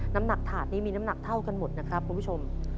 น้ำหนักถาดนี้มีน้ำหนักเท่ากันหมดนะครับคุณผู้ชม